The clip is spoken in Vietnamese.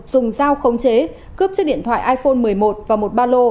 dùng dao khống chế cướp chiếc điện thoại iphone một mươi một và một ba lô